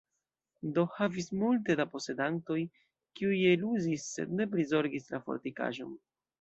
Do, havis multe da posedantoj, kiuj eluzis sed ne prizorgis la fortikaĵon.